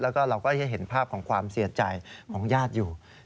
แล้วก็เราก็ได้เห็นภาพของความเสียใจของญาติอยู่